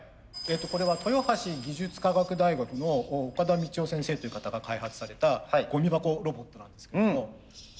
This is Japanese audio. これは豊橋技術科学大学の岡田美智男先生という方が開発されたゴミ箱ロボットなんですけども。